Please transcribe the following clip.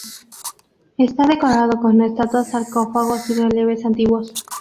Está decorado con estatuas, sarcófagos y relieves antiguos.